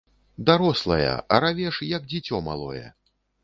Дарослая, а равеш як дзіцё малое.